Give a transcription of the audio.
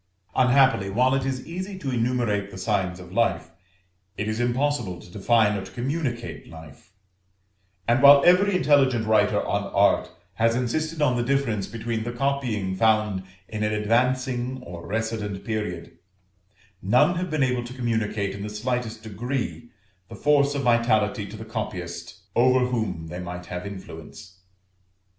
Unhappily, while it is easy to enumerate the signs of life, it is impossible to define or to communicate life; and while every intelligent writer on Art has insisted on the difference between the copying found in an advancing or recedent period, none have been able to communicate, in the slightest degree, the force of vitality to the copyist over whom they might have influence.